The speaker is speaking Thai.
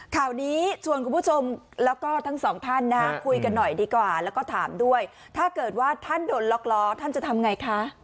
ข่าวนี้ชวนคุณผู้ชมแล้วก็ทั้งสองท่านนะคุยกันหน่อยดีกว่าแล้วก็ถามด้วยถ้าเกิดว่าท่านโดนล็อกล้อท่านจะทำไงคะ